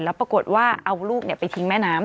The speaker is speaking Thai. แล้วปรากฏว่าเอาลูกไปทิ้งแม่น้ำ